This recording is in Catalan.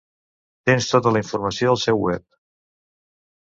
Tens tota la informació al seu web.